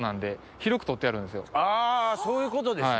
あぁそういうことですね。